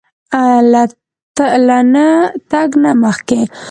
له نه تګ نه مخکې